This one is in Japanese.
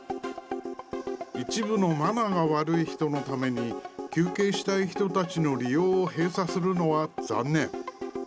一部のマナーが悪い人のために、休憩したい人たちの利用を閉鎖するのは残念。